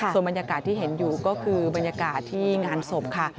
ส่วนบรรยากาศที่เห็นอยู่ก็คือบรรยากาศที่งานศพค่ะ